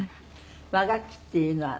和楽器っていうのは。